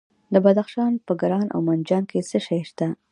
د بدخشان په کران او منجان کې څه شی شته؟